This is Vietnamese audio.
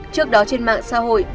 trước đó trên mạng xã hội